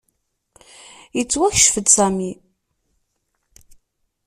Yettwakcef-d Sami.